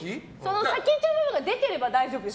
先っちょ部分が出ていれば大丈夫です。